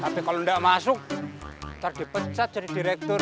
tapi kalau nggak masuk nanti dipecat jadi direktur